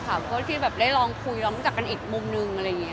เพื่อที่แบบได้ลองคุยลองรู้จักกันอีกมุมนึงอะไรอย่างนี้